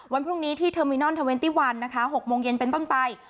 วันพรุ่งนี้ที่เทอร์มินอล๒๑นะคะ๖โมงเย็นเป็นต้นไป